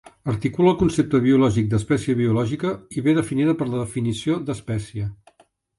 Articula el concepte biològic d'espècie biològica i ve definida per la definició d'espècie.